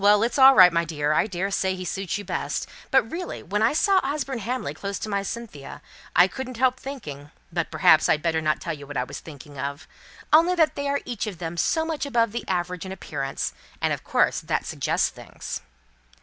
It's all right, my dear. I daresay he suits you best. But really, when I saw Osborne Hamley close to my Cynthia, I couldn't help thinking but perhaps I'd better not tell you what I was thinking of. Only they are each of them so much above the average in appearance; and, of course, that suggests things."